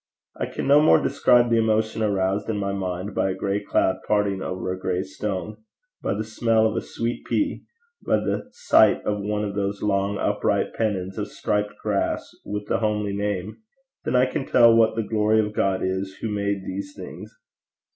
I can no more describe the emotion aroused in my mind by a gray cloud parting over a gray stone, by the smell of a sweetpea, by the sight of one of those long upright pennons of striped grass with the homely name, than I can tell what the glory of God is who made these things.